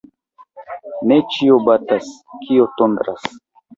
Ne ĉio batas, kio tondras.